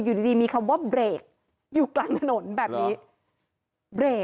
อยู่ดีดีมีคำว่าเบรกอยู่กลางถนนแบบนี้เบรก